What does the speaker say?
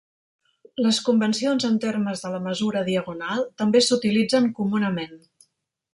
Les convencions en termes de la mesura diagonal també s'utilitzen comunament.